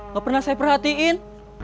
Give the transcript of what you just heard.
gak pernah saya perhatiin